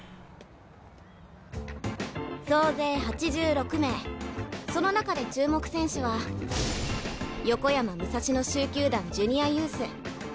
総勢８６名その中で注目選手は横山武蔵野蹴球団ジュニアユース橘総一朗。